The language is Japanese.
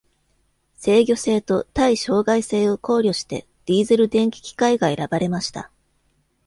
制御性と耐障害性を考慮してディーゼル電気機械が選ばれました。